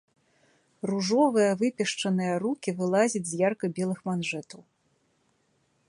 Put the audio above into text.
Ружовыя выпешчаныя рукі вылазяць з ярка-белых манжэтаў.